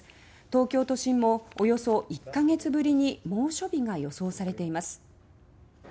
東京都心もおよそ１か月ぶりに猛暑日が予想されています。